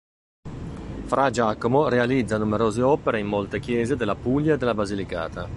Fra' Giacomo realizza numerose opere in molte chiese della Puglia e della Basilicata.